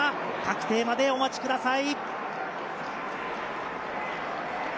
確定までお待ちください。